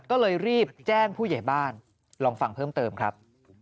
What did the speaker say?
ก็เลยรีบแจ้งผู้ใหญ่บ้านลองฟังเพิ่มเติมครับ